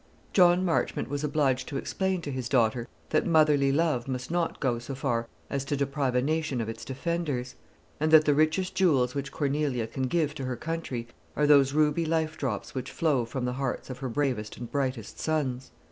John Marchmont was obliged to explain to his daughter that motherly love must not go so far as to deprive a nation of its defenders; and that the richest jewels which Cornelia can give to her country are those ruby life drops which flow from the hearts of her bravest and brightest sons.